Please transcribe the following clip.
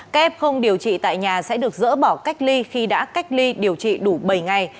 các em không điều trị tại nhà sẽ được dỡ bỏ cách ly khi đã cách ly điều trị đủ bảy ngày